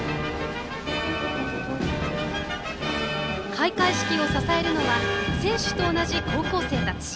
開会式を支えるのは選手と同じ高校生たち。